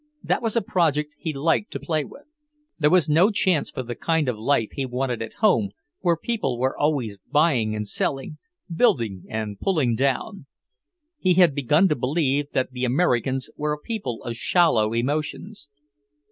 That was a project he liked to play with. There was no chance for the kind of life he wanted at home, where people were always buying and selling, building and pulling down. He had begun to believe that the Americans were a people of shallow emotions.